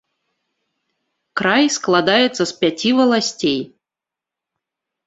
Край складаецца з пяці валасцей.